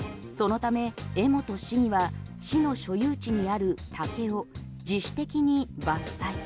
そのため江本市議は市の所有地にある竹を自主的に伐採。